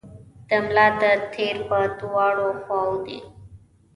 د ملا د تیر په دواړو خواوو دي.